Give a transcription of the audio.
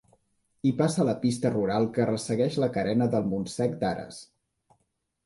Hi passa la pista rural que ressegueix la carena del Montsec d'Ares.